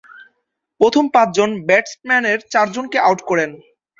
প্রথম পাঁচজন ব্যাটসম্যানের চারজনকে আউট করেন।